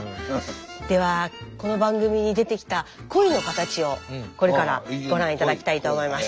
ではこの番組に出てきた恋のカタチをこれからご覧頂きたいと思います。